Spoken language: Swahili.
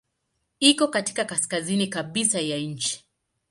Iko katika kaskazini kabisa ya nchi.